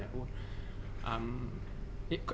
จากความไม่เข้าจันทร์ของผู้ใหญ่ของพ่อกับแม่